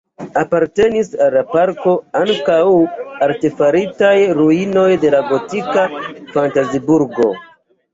Apartenis al la parko ankaŭ artefaritaj ruinoj de gotika fantaziburgo.